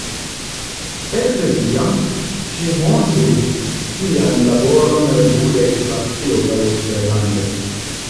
Ekde tiam, ŝi montris sian laboron regule en Francio kaj eksterlande.